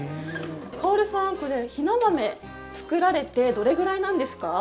かおるさん、ひな豆作られてどのくらいなんですか？